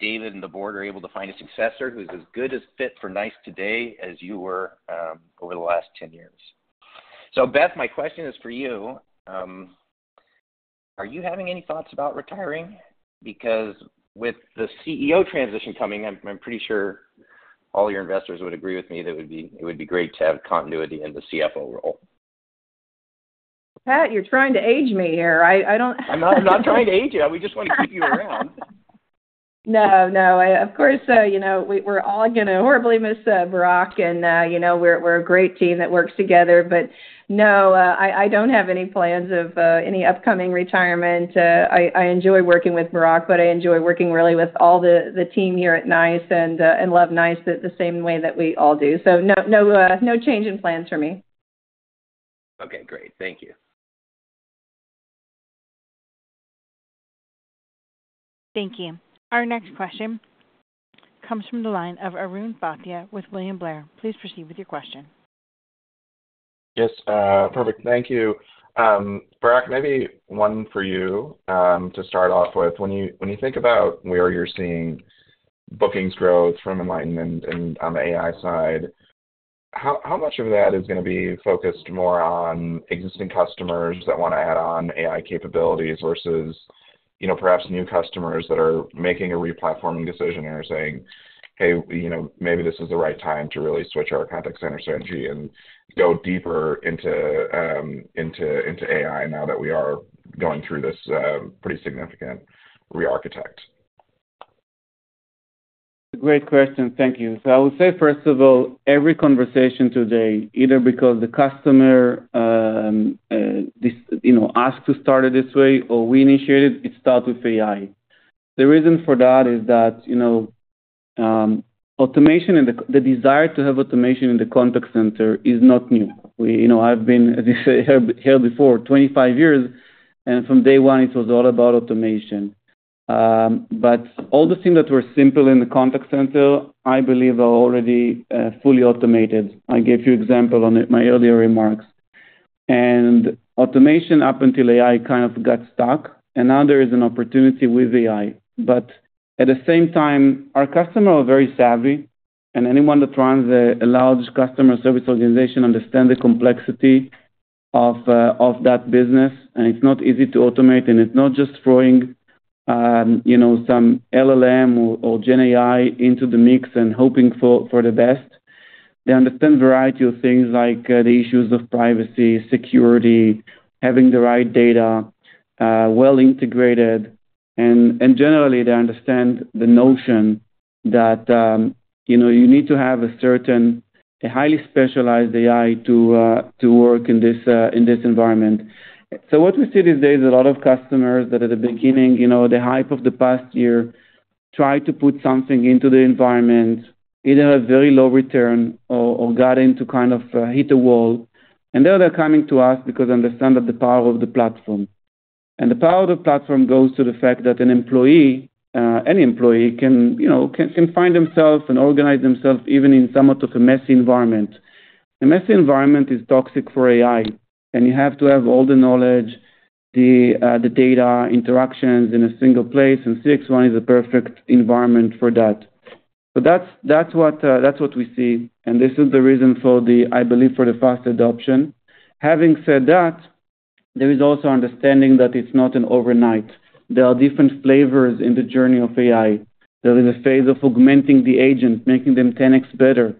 David and the board are able to find a successor who's as good a fit for NICE today as you were, over the last 10 years. So Beth, my question is for you. Are you having any thoughts about retiring? Because with the CEO transition coming, I'm pretty sure all your investors would agree with me that it would be great to have continuity in the CFO role. Pat, you're trying to age me here. I don't - I'm not, I'm not trying to age you. I we just want to keep you around. No, no. Of course, you know, we're all gonna horribly miss Barak, and you know, we're a great team that works together. But no, I don't have any plans of any upcoming retirement. I enjoy working with Barak, but I enjoy working really with all the team here at NICE and love NICE the same way that we all do. So no, no, no change in plans for me. Okay, great. Thank you. Thank you. Our next question comes from the line of Arjun Bhatia with William Blair. Please proceed with your question. Yes, perfect. Thank you. Barak, maybe one for you, to start off with. When you think about where you're seeing bookings growth from Enlighten and on the AI side, how much of that is gonna be focused more on existing customers that wanna add on AI capabilities versus, you know, perhaps new customers that are making a replatforming decision and are saying, "Hey, you know, maybe this is the right time to really switch our contact center strategy and go deeper into AI, now that we are going through this pretty significant rearchitect? Great question. Thank you. So I would say, first of all, every conversation today, either because the customer, you know, asked to start it this way or we initiate it, it starts with AI. The reason for that is that, you know, automation and the c-- the desire to have automation in the contact center is not new. You know, I've been, as you said, here before, 25 years, and from day one, it was all about automation. But all the things that were simple in the contact center, I believe are already fully automated. I gave you example on it in my earlier remarks. And automation, up until AI, kind of got stuck, and now there is an opportunity with AI. But at the same time, our customers are very savvy, and anyone that runs a large customer service organization understand the complexity of that business, and it's not easy to automate, and it's not just throwing you know some LLM or GenAI into the mix and hoping for the best. They understand variety of things like the issues of privacy, security, having the right data well integrated. And generally, they understand the notion that you know you need to have a certain highly specialized AI to work in this environment. So what we see these days is a lot of customers that at the beginning, you know, the hype of the past year, tried to put something into the environment, either a very low return or got into kind of hit a wall. And now they're coming to us because they understand that the power of the platform. And the power of the platform goes to the fact that an employee, any employee can, you know, can find themselves and organize themselves even in somewhat of a messy environment. A messy environment is toxic for AI, and you have to have all the knowledge, the data interactions in a single place, and CXone is a perfect environment for that. So that's what we see, and this is the reason for the, I believe, for the fast adoption. Having said that, there is also understanding that it's not an overnight. There are different flavors in the journey of AI. There is a phase of augmenting the agent, making them 10x better.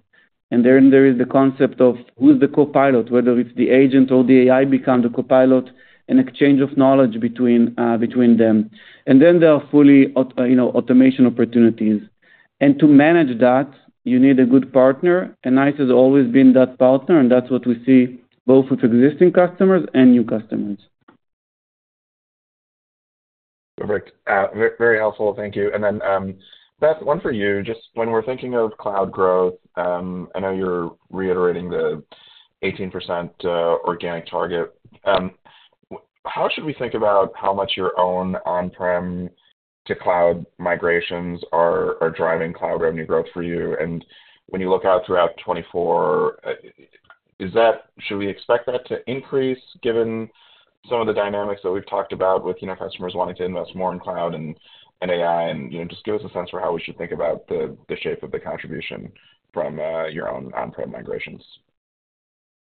And then there is the concept of who's the copilot, whether it's the agent or the AI, become the copilot, an exchange of knowledge between them. And then there are fully, you know, automation opportunities. And to manage that, you need a good partner, and NICE has always been that partner, and that's what we see both with existing customers and new customers. Perfect. Very helpful. Thank you. And then, Beth, one for you. Just when we're thinking of cloud growth, I know you're reiterating the 18% organic target. How should we think about how much your own on-prem to cloud migrations are driving cloud revenue growth for you? And when you look out throughout 2024, should we expect that to increase, given some of the dynamics that we've talked about with, you know, customers wanting to invest more in cloud and AI? And, you know, just give us a sense for how we should think about the shape of the contribution from your own on-prem migrations.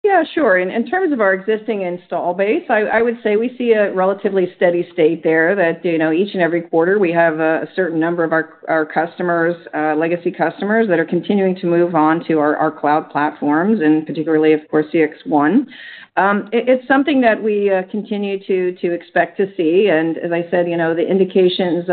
Yeah, sure. In terms of our existing install base, I would say we see a relatively steady state there, you know, each and every quarter, we have a certain number of our customers, legacy customers, that are continuing to move on to our cloud platforms, and particularly, of course, CXone. It's something that we continue to expect to see, and as I said, you know, the indications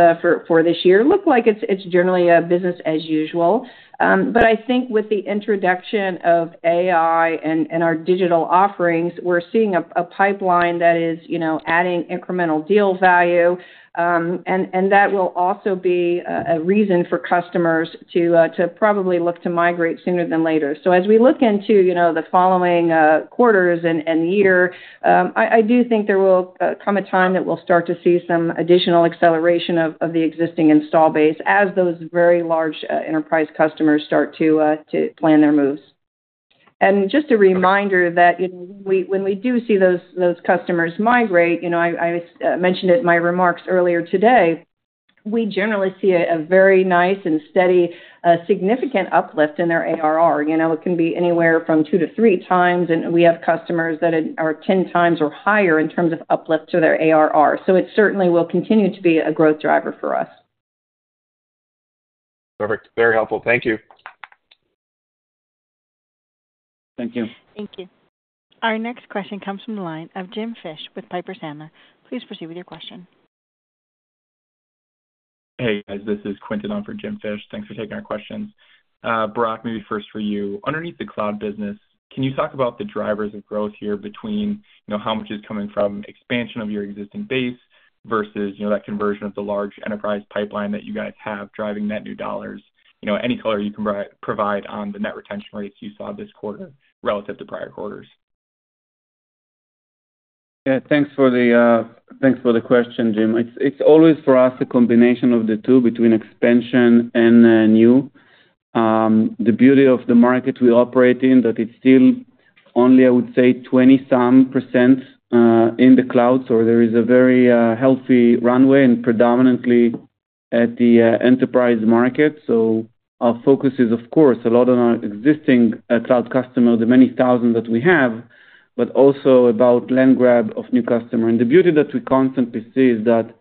for this year look like it's generally business as usual. But I think with the introduction of AI and our digital offerings, we're seeing a pipeline that is, you know, adding incremental deal value, and that will also be a reason for customers to probably look to migrate sooner than later. So as we look into, you know, the following quarters and year, I do think there will come a time that we'll start to see some additional acceleration of the existing install base as those very large enterprise customers start to plan their moves. And just a reminder that if, when we do see those customers migrate, you know, I mentioned it in my remarks earlier today, we generally see a very nice and steady significant uplift in their ARR. You know, it can be anywhere from 2-3x, and we have customers that are 10 times or higher in terms of uplift to their ARR. So it certainly will continue to be a growth driver for us. Perfect. Very helpful. Thank you. Thank you. Thank you. Our next question comes from the line of Jim Fish with Piper Sandler. Please proceed with your question. Hey, guys, this is Quentin on for Jim Fish. Thanks for taking our questions. Barak, maybe first for you. Underneath the cloud business, can you talk about the drivers of growth here between, you know, how much is coming from expansion of your existing base versus, you know, that conversion of the large enterprise pipeline that you guys have driving net new dollars? You know, any color you can provide on the net retention rates you saw this quarter relative to prior quarters? Yeah, thanks for the, thanks for the question, Jim. It's, it's always, for us, a combination of the two, between expansion and, new. The beauty of the market we operate in, that it's still only, I would say, 20-some% in the cloud, so there is a very healthy runway and predominantly at the enterprise market. So our focus is, of course, a lot on our existing cloud customer, the many thousand that we have, but also about land grab of new customer. And the beauty that we constantly see is that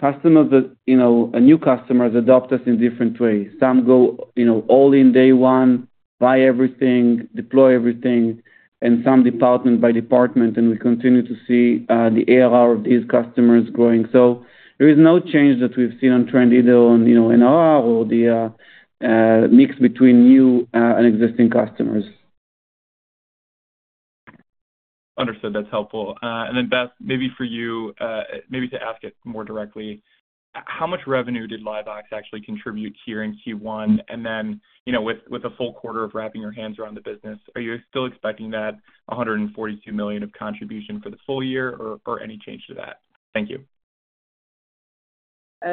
customers that, you know, a new customers adopt us in different ways. Some go, you know, all in day one, buy everything, deploy everything, and some department by department, and we continue to see the ARR of these customers growing. There is no change that we've seen on trend, either on, you know, in ARR or the mix between new and existing customers. Understood. That's helpful. And then, Beth, maybe for you, maybe to ask it more directly, how much revenue did LiveVox actually contribute here in Q1? And then, you know, with, with a full quarter of wrapping your hands around the business, are you still expecting that $142 million of contribution for the full year, or, or any change to that? Thank you.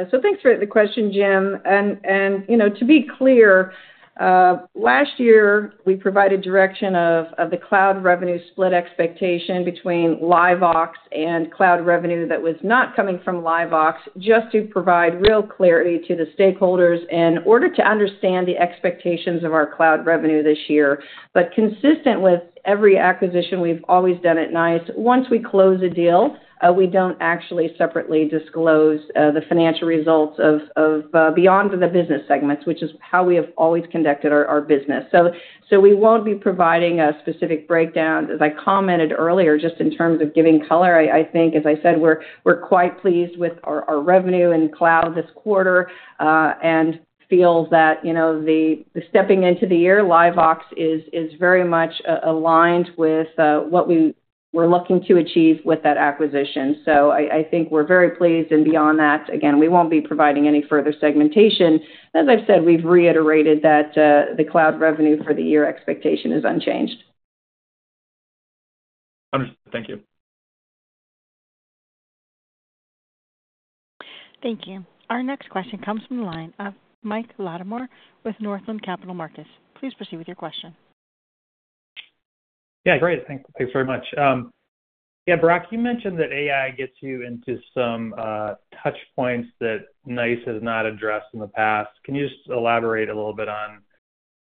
So thanks for the question, Jim. And you know, to be clear, last year, we provided direction of the cloud revenue split expectation between LiveVox and cloud revenue that was not coming from LiveVox, just to provide real clarity to the stakeholders in order to understand the expectations of our cloud revenue this year. But consistent with every acquisition we've always done at NICE, once we close a deal, we don't actually separately disclose the financial results of beyond the business segments, which is how we have always conducted our business. So we won't be providing a specific breakdown. As I commented earlier, just in terms of giving color, I think, as I said, we're quite pleased with our revenue in cloud this quarter, and feel that, you know, the stepping into the year, LiveVox is very much aligned with what we were looking to achieve with that acquisition. So I think we're very pleased, and beyond that, again, we won't be providing any further segmentation. As I've said, we've reiterated that the cloud revenue for the year expectation is unchanged. Understood. Thank you. Thank you. Our next question comes from the line of Mike Latimore with Northland Capital Markets. Please proceed with your question. Yeah, great. Thanks very much. Yeah, Barak, you mentioned that AI gets you into some touchpoints that NICE has not addressed in the past. Can you just elaborate a little bit on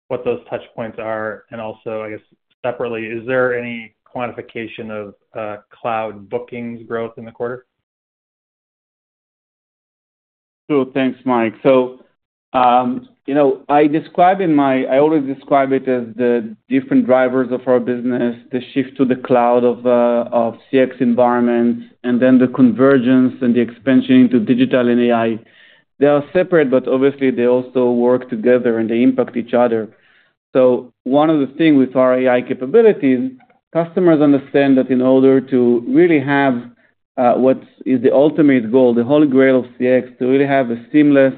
what those touchpoints are? And also, I guess, separately, is there any quantification of cloud bookings growth in the quarter? Sure. Thanks, Mike. So, you know, I describe in my, I always describe it as the different drivers of our business, the shift to the cloud of, of CX environments, and then the convergence and the expansion into digital and AI. They are separate, but obviously, they also work together, and they impact each other. So one of the things with our AI capabilities, customers understand that in order to really have, what's is the ultimate goal, the holy grail of CX, to really have a seamless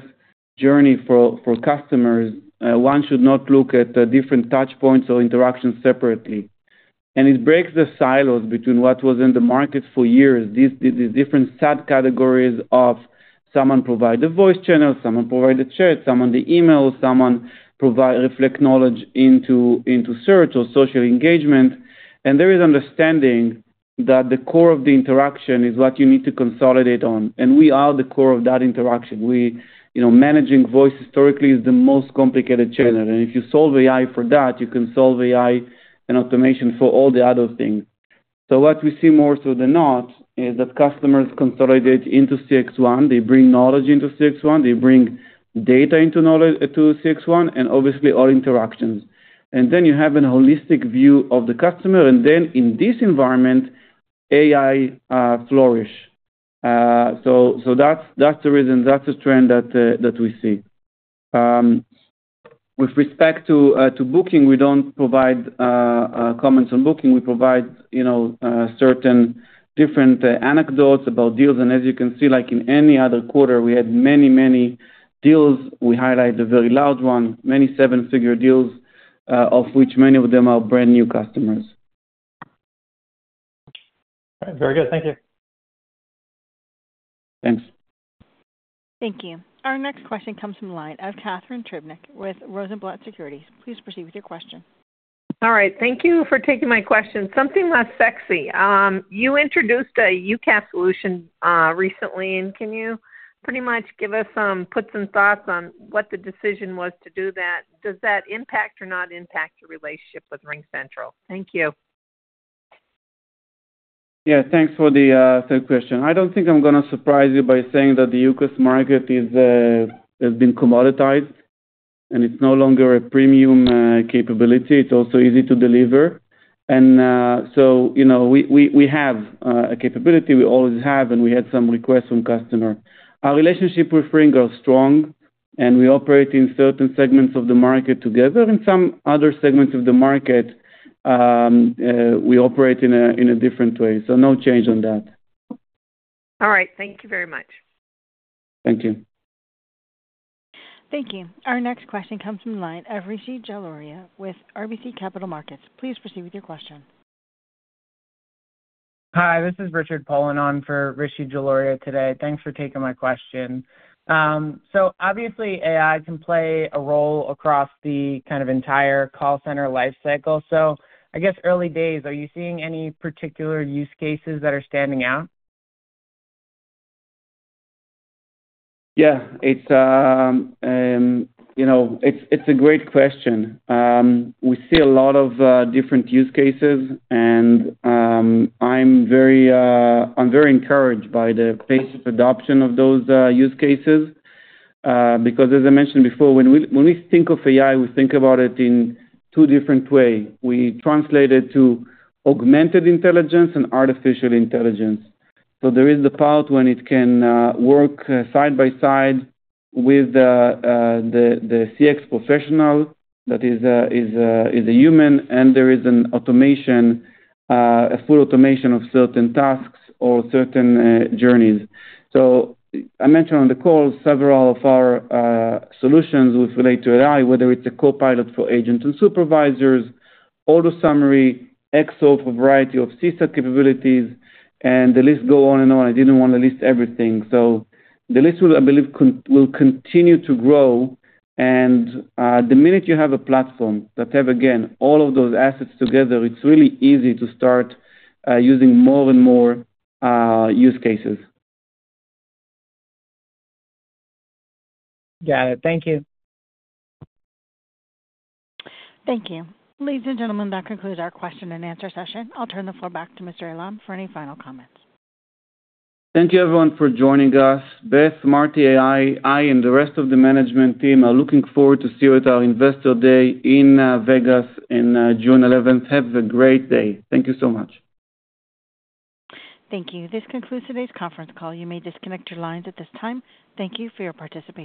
journey for customers, one should not look at the different touchpoints or interactions separately. And it breaks the silos between what was in the market for years. These different set categories of someone provide the voice channel, someone provide the chat, someone the email, someone provide reflect knowledge into search or social engagement. There is understanding that the core of the interaction is what you need to consolidate on, and we are the core of that interaction. We, you know, managing voice historically is the most complicated channel, and if you solve AI for that, you can solve AI and automation for all the other things. So what we see more so than not is that customers consolidate into CXone, they bring knowledge into CXone, they bring data into knowledge to CXone, and obviously all interactions. And then you have a holistic view of the customer, and then in this environment, AI flourish. So that's the reason, that's the trend that we see. With respect to booking, we don't provide comments on booking. We provide, you know, certain different anecdotes about deals. As you can see, like in any other quarter, we had many, many deals. We highlight the very large one, many seven-figure deals, of which many of them are brand-new customers. Very good. Thank you. Thanks. Thank you. Our next question comes from the line of Catharine Trebnick with Rosenblatt Securities. Please proceed with your question. All right. Thank you for taking my question. Something less sexy. You introduced a UCaaS solution recently, and can you pretty much give us some--put some thoughts on what the decision was to do that? Does that impact or not impact your relationship with RingCentral? Thank you. Yeah, thanks for the third question. I don't think I'm gonna surprise you by saying that the UCaaS market is has been commoditized, and it's no longer a premium capability. It's also easy to deliver. And so, you know, we have a capability, we always have, and we had some requests from customer. Our relationship with Ring are strong, and we operate in certain segments of the market together. In some other segments of the market, we operate in a different way. So no change on that. All right. Thank you very much. Thank you. Thank you. Our next question comes from the line of Richard Pullan with RBC Capital Markets. Please proceed with your question. Hi, this is Richard Pullan on for Rishi Jaluria today. Thanks for taking my question. So obviously, AI can play a role across the kind of entire call center lifecycle. So I guess, early days, are you seeing any particular use cases that are standing out? Yeah, it's, you know, it's a great question. We see a lot of different use cases, and I'm very encouraged by the pace of adoption of those use cases, because as I mentioned before, when we think of AI, we think about it in two different way. We translate it to augmented intelligence and artificial intelligence. So there is the part when it can work side by side with the CX professional that is a human, and there is an automation, a full automation of certain tasks or certain journeys. So I mentioned on the call several of our solutions that relate to AI, whether it's a Copilot for agents and supervisors, AutoSummary, CXone for a variety of CCaaS capabilities, and the list goes on and on. I didn't want to list everything. So the list will, I believe, will continue to grow, and the minute you have a platform that has, again, all of those assets together, it's really easy to start using more and more use cases. Got it. Thank you. Thank you. Ladies and gentlemen, that concludes our question and answer session. I'll turn the floor back to Mr. Eilam for any final comments. Thank you, everyone, for joining us. Beth, Marty, and I, and the rest of the management team are looking forward to see you at our Investor Day in Vegas in June 11th. Have a great day. Thank you so much. Thank you. This concludes today's conference call. You may disconnect your lines at this time. Thank you for your participation.